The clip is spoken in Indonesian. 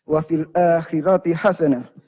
wa fil akhirati hasana